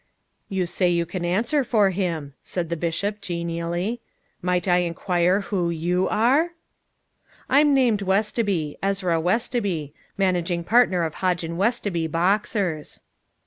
"You say you can answer for him," said the bishop genially. "Might I inquire who you are?" "I'm named Westoby Ezra Westoby managing partner of Hodge & Westoby, boxers."